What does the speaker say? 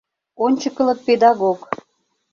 Ончыкылык педагог.